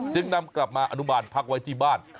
จึงนำกลับมาอนุมานพักไว้ที่บ้าน